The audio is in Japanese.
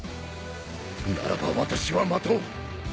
ならば私は待とう